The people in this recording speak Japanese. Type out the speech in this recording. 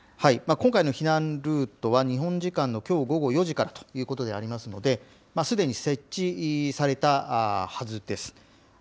今回の避難ルートは日本時間のきょう午後４時からということでありますので、すでに設置されたはずです。